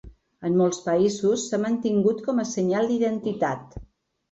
En molts països s'ha mantingut com a senyal d'identitat.